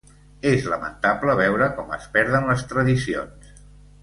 És lamentable veure com es perden les tradicions.